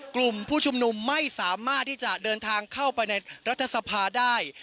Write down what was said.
กลุ่มผู้ชุมนุมไม่สามารถที่จะเดินทางเข้าไปในรัฐสภาได้